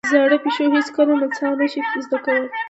زاړه پيشو هېڅکله نڅا نه شي زده کولای.